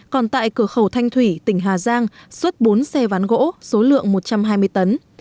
còn tại cửa khẩu thanh thủy tỉnh hà giang xuất bốn xe ván gỗ số lượng một trăm hai mươi tấn